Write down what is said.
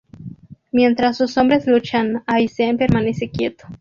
Mientras sus hombres luchan Aizen permanece quieto.